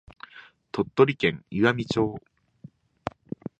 鳥取県岩美町